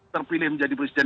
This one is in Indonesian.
terpilih menjadi presiden